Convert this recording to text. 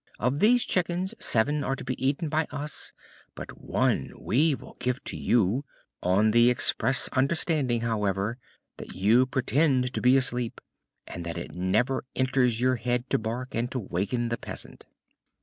Of these chickens seven are to be eaten by us, and one we will give to you, on the express understanding, however, that you pretend to be asleep, and that it never enters your head to bark and to waken the peasant."